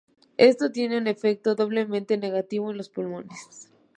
Esto tiene un efecto doblemente negativo en los pulmones.